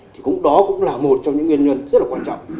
thì cũng đó cũng là một trong những nguyên nhân rất là quan trọng